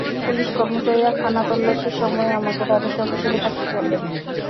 Police কর্মচারীরা খানাতল্লাশির সময়ে আমাকে তঁদের সঙ্গে সঙ্গে থাকতে বললেন।